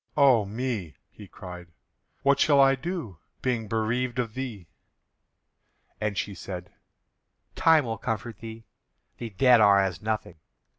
"O me!" he cried, "what shall I do, being bereaved of thee?" And she said: "Time will comfort thee; the dead are as nothing."